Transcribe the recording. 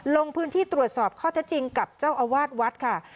ลงพื้นที่ตรวจสอบข้อเท็จจริงกับเจ้าอาวาสวัดค่ะ